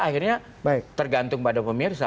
akhirnya tergantung pada pemirsa